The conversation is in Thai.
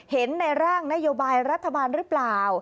เห็นในร่างนโยบายรัฐบาลหรือเปล่า